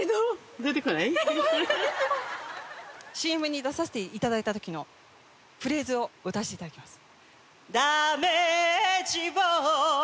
ＣＭに出さしていただいた時のフレーズを歌わしていただきます